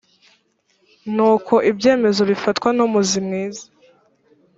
n uko ibyemezo bifatwa numuzi mwiza